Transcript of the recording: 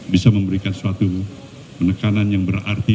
bisa memberikan suatu penekanan yang berarti